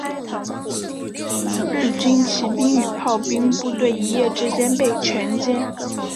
日军骑兵与炮兵部队一夜之间被全歼。